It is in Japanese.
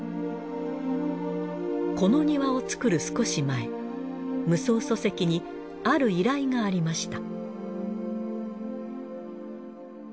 この庭を造る少し前夢窓疎石にある依頼がありました。